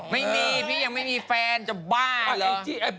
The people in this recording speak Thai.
ไม่มีพี่ยังไม่มีแฟนจะบ้าอะไร